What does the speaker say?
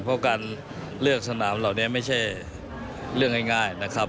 เพราะการเลือกสนามเหล่านี้ไม่ใช่เรื่องง่ายนะครับ